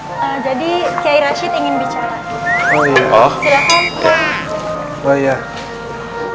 ustadz musa'i mulla dan santun